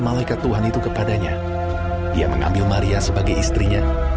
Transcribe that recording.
mereka mengambil maria sebagai istrinya